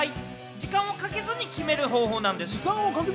時間をかけずに決める方法です。